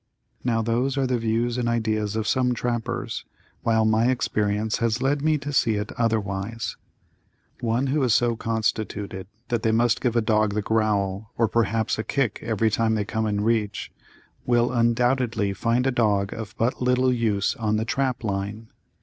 Now those are the views and ideas of some trappers, while my experience has led me to see it otherwise. One who is so constituted that they must give a dog the growl or perhaps a kick every time they come in reach, will undoubtedly find a dog of but little use on the trap line.